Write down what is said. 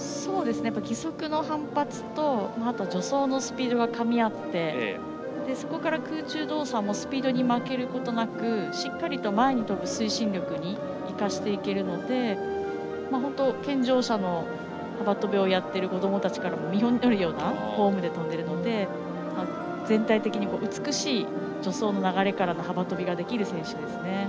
義足の反発と助走のスピードがかみ合って、そこから空中動作もスピードに負けることなくしっかりと前に跳ぶ推進力に生かしていけるので本当、健常者の幅跳びをやっている子どもたちから見本になるようなフォームで跳んでいるので全体的に美しい助走の流れからの幅跳びができる選手です。